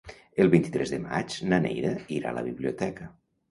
El vint-i-tres de maig na Neida irà a la biblioteca.